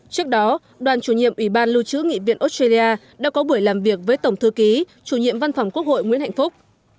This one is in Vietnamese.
trước đó đoàn chủ nhiệm ủy ban lưu trữ nghị viện australia đã có buổi làm việc với tổng thư ký chủ nhiệm văn phòng quốc hội nguyễn hạnh phúc